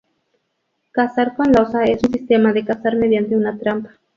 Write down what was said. Cazar con losa es un sistema de cazar mediante una trampa.